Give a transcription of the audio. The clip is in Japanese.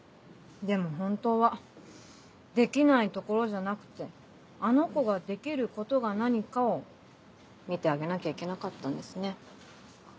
でも本当はできない所じゃなくてあの子ができることが何かを見てあげなきゃいけなかったんですね。